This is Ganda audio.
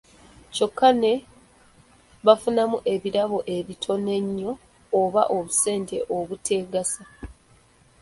Kyokka ne bafunamu ebirabo ebitono ennyo, oba obusente obuteegasa.